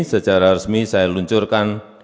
secara resmi saya luncurkan